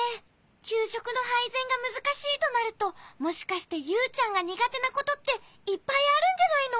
きゅうしょくのはいぜんがむずかしいとなるともしかしてユウちゃんがにがてなことっていっぱいあるんじゃないの？